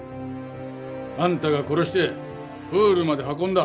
あんたが殺してプールまで運んだ。